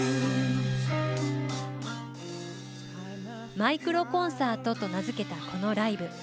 マイクロ・コンサートと名付けたこのライブ。